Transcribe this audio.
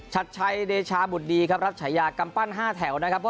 ชัดชัยเดชาบุตรดีครับรับฉายากำปั้น๕แถวนะครับ